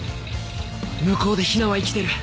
向こうでヒナは生きてる。